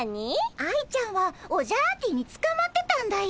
愛ちゃんはオジャアーティにつかまってたんだよ。